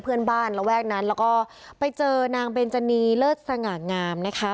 ระแวกนั้นแล้วก็ไปเจอนางเบนจานีเลิศสง่างามนะคะ